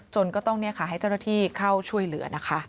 ก็ต้องให้เจ้าหน้าที่เข้าช่วยเหลือนะคะ